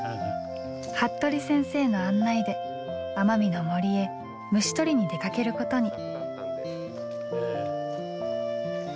服部先生の案内で奄美の森へ虫捕りに出かけることに。